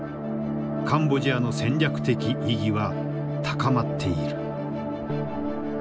カンボジアの戦略的意義は高まっている。